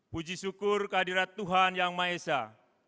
puji syukur kehadirat tuhan yang maesah